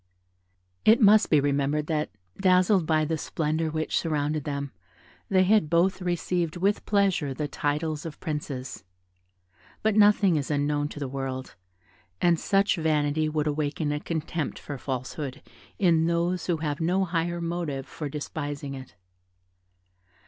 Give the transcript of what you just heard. It must be remembered that, dazzled by the splendour which surrounded them, they had both received with pleasure the titles of princes; but nothing is unknown to the world, and such vanity would awaken a contempt for falsehood, in those who have no higher motive for despising it.